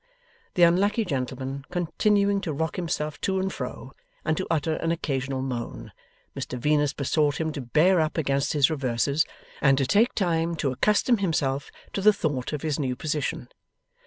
The unlucky gentleman continuing to rock himself to and fro, and to utter an occasional moan, Mr Venus besought him to bear up against his reverses, and to take time to accustom himself to the thought of his new position.